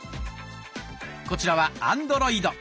こちらはアンドロイド。